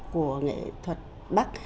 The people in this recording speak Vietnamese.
của nghệ thuật bắc